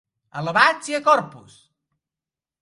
Alabat sia Corpus!